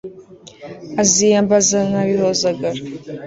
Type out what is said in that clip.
aziyambaza na bihozagara